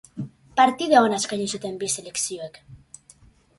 Partida ona eskaini zuten bi selekzioek.